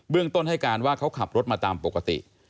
ต้นให้การว่าเขาขับรถมาตามปกติ